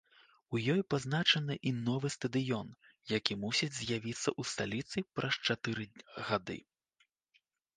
У ёй пазначаны і новы стадыён, які мусіць з'явіцца ў сталіцы праз чатыры гады.